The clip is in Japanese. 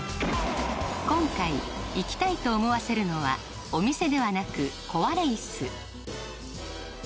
今回行きたいと思わせるのはお店ではなく壊れ椅子